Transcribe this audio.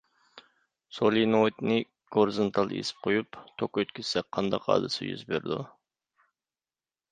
سولېنوئىدنى گورىزونتال ئېسىپ قويۇپ توك ئۆتكۈزسەك قانداق ھادىسە يۈز بېرىدۇ؟